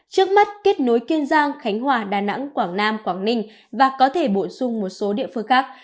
trước mắt kết nối kiên giang khánh hòa đà nẵng quảng nam quảng ninh và có thể bổ sung một số địa phương khác